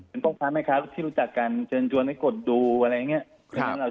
เป็นพ่อค้าแม่ค้าที่รู้จักกันเชิญชวนให้กดดูอะไรอย่างนี้